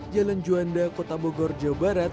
jalan juanda kota bogor jawa barat